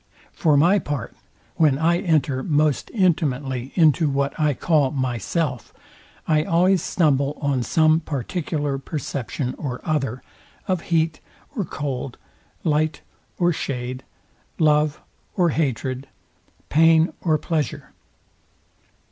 For my part, when I enter most intimately into what I call myself, I always stumble on some particular perception or other, of heat or cold, light or shade, love or hatred, pain or pleasure.